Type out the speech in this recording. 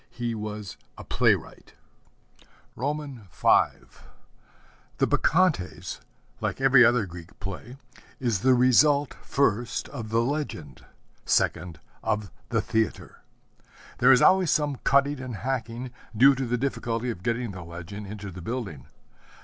He was a playwright. V The Bacchantes, like every other Greek play, is the result, first, of the legend, second, of the theatre. There is always some cutting and hacking, due to the difficulty of getting the legend into the building.